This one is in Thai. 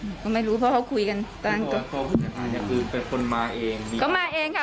อืมก็ไม่รู้เพราะเขาคุยกันตอนก็คือเป็นคนมาเองก็มาเองค่ะ